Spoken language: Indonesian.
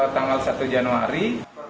tanggal satu januari